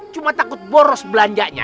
cuma takut boros belanjanya